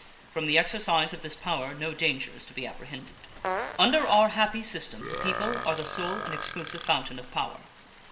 From the exercise of this power no danger is to be apprehended. Under our happy system the people are the sole and exclusive fountain of power.